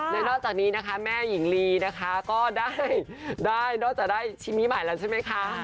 และนอกจากนี้นะคะแม่หญิงลีนะคะก็ได้นอกจากได้ชิ้นนี้ใหม่แล้วใช่ไหมคะ